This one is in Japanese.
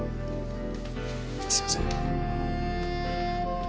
すいません。